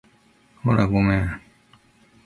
ほら、ごめん